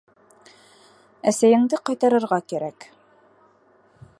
— Әсәйеңде ҡайтарырға кәрәк.